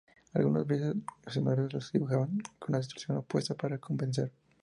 Algunas veces, los animadores las dibujaban con la distorsión opuesta para compensar.